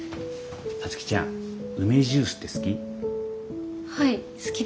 皐月ちゃん梅ジュースって好き？